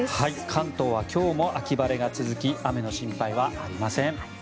関東は今日も秋晴れが続き雨の心配はありません。